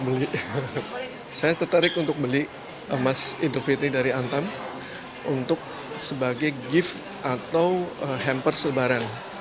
beli saya tertarik untuk beli emas idul fitri dari antam untuk sebagai gift atau hamper selebaran